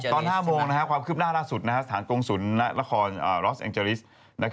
ตอน๕โมงความคืบหน้าล่าสุดสถานกงศูนย์ละครรอสแองเจริส